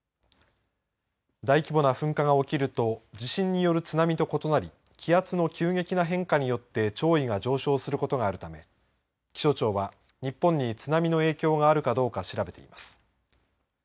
大規模な噴火が起きると地震による津波と異なり気圧の急激な変化によって潮位が上昇することがあるため気象庁は日本に津波の影響があるかどうか調べています。